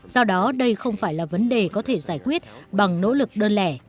do đó đây không phải là vấn đề có thể giải quyết bằng nỗ lực đơn lẻ